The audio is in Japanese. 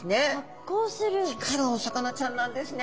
光るお魚ちゃんなんですね。